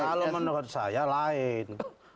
kalau menurut saya lain